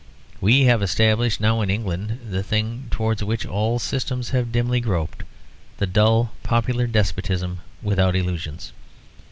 We have established now in England, the thing towards which all systems have dimly groped, the dull popular despotism without illusions.